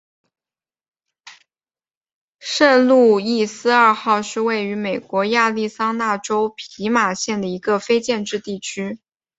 圣路易斯二号是位于美国亚利桑那州皮马县的一个非建制地区。